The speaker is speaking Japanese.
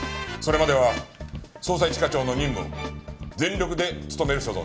それまでは捜査一課長の任務を全力で務める所存です。